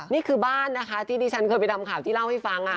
นี่คือบ้านนะคะที่ดิฉันเคยไปทำข่าวที่เล่าให้ฟัง